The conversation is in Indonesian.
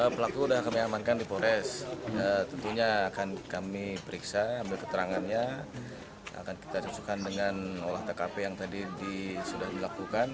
istri korban menyebutkan korban sempat berusaha menutupi kejadian tersebut